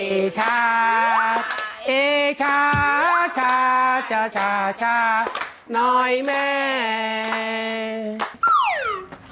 เอชาเอชาชาชาชาชาชาน้อยแม่